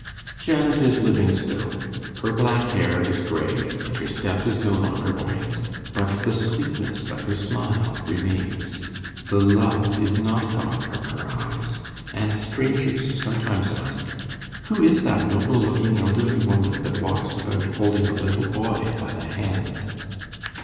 Janet is living still. Her black hair is grey, and her step is no longer buoyant; but the sweetness of her smile remains, the love is not gone from her eyes; and strangers sometimes ask, Who is that noble looking elderly woman, that walks about holding a little boy by the hand?